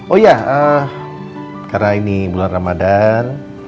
oh ya karena ini bulan ramadan